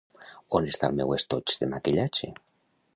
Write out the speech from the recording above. On està el meu estoig de maquillatge?